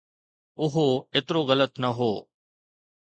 اهو ايترو غلط نه هو.